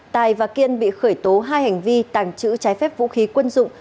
tài và kiên bị khởi tố hai hành vi tàng trữ trái phép vũ khí quân dụng